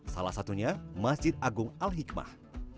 salah satunya masjid agung al hikmah